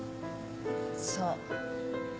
そう。